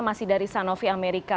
masih dari sanofi amerika